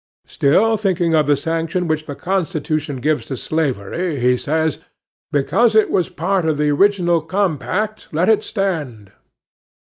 Still thinking of the sanction which the Constitution gives to slavery, he says, "Because it was part of the original compact,—let it stand."